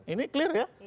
ini clear ya